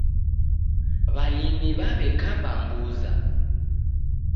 W'alimi w'aw'ekaba mbuza